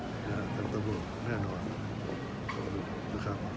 ทำตระบบแน่นอนขอบคุณครับ